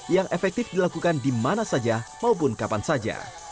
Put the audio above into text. yang efektif dilakukan di mana saja maupun kapan saja